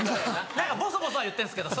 何かボソボソは言ってるんですけど。